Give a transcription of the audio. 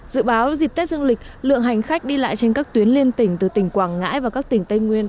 dự báo dịp tết dương lịch lượng hành khách đi lại trên các tuyến liên tỉnh từ tỉnh quảng ngãi và các tỉnh tây nguyên